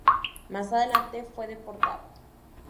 Más adelante fue deportado.